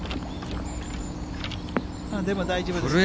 でも大丈夫ですね。